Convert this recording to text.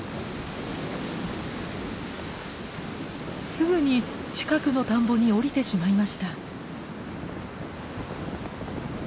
すぐに近くの田んぼに降りてしまいました。